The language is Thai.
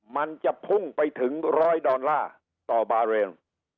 มันจะพุ่งไปถึง๑๐๐ดอลลาร์ต่อบาเรล